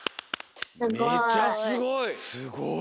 めちゃすごい！